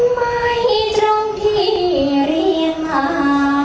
ไม่จมเดียวรีบมา